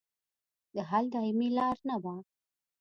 د حل دایمي لار نه وه.